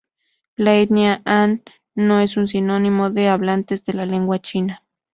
La etnia han no es sinónimo de hablantes de la lengua china.